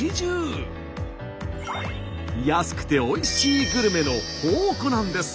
安くておいしいグルメの宝庫なんです。